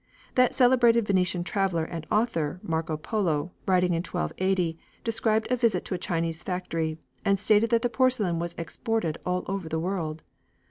That celebrated Venetian traveller and author, Marco Polo, writing in 1280, described a visit to a Chinese factory, and stated that the porcelain was exported all over the world.